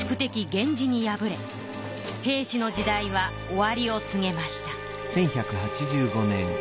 源氏に敗れ平氏の時代は終わりを告げました。